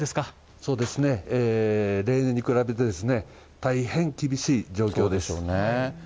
そうですね、例年に比べて大変厳しい状況です。